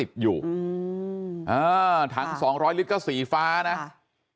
แล้วก็ยัดลงถังสีฟ้าขนาด๒๐๐ลิตร